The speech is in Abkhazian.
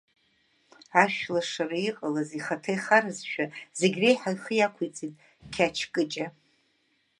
Ашәлашара иҟалаз ихаҭа ихаразшәа, зегьреиҳа ихы иақәиҵеит Қьач Кыҷа.